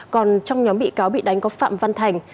còn trong nhóm bị cáo bị đánh có phạm văn thành